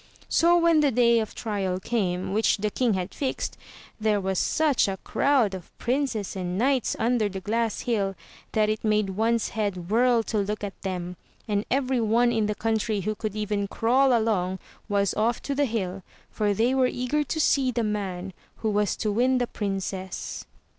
So when the day of trial came, which the king had fixed, there was such a crowd of princes and knights under the glass hill that it made one's head whirl to look at them; and every one in the country who could even crawl along was off to the hill, for they were eager to see the man who was to win the Prin cess.